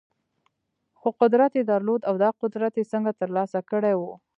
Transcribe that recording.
خو قدرت يې درلود او دا قدرت يې څنګه ترلاسه کړی و؟